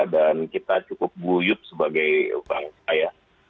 dan kita cukup buyut sebagai bangsa